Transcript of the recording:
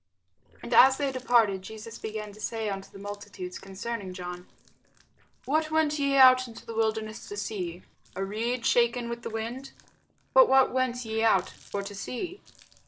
And as they departed, Jesus began to say unto the multitudes concerning John, What went ye out into the wilderness to see? A reed shaken with the wind? But what went ye out for to see?